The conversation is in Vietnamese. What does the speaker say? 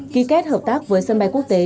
ký kết hợp tác với sân bay quốc tế